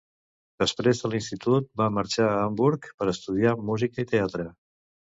Després de l'institut va marxar a Hamburg per estudiar música i teatre.